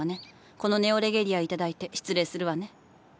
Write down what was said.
このネオレゲリア頂いて失礼するわね。